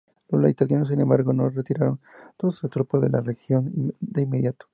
Los italianos, sin embargo, no retiraron todas sus tropas de la región de inmediato.